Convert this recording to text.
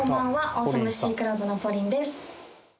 ＡｗｅｓｏｍｅＣｉｔｙＣｌｕｂのＰＯＲＩＮです。